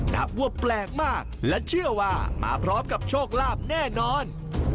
นับว่าแปลกมากและเชื่อว่ามาพร้อมกับโชคลาภแน่นอน